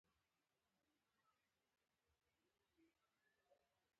آیا د ایران اقتصاد په سیمه کې لوی نه دی؟